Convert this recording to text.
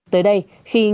trong cái hãng